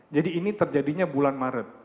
jadi ini terjadinya bulan maret